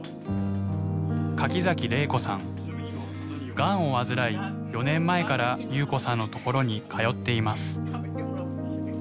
がんを患い４年前から夕子さんのところに通っています。